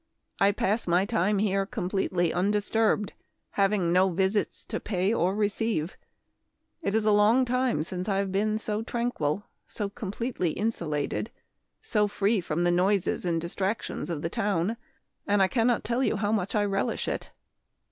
I pass my time here completely undisturbed, having no visits to pay or receive. It is a long time since I have been so tranquil, so completely in Memoir of Washington Irving. 173 sulated, so free from the noises and distractions of the town, and I cannot tell you how much I relish it."